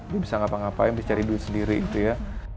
dia bisa ngapa ngapain bisa cari duit sendiri gitu ya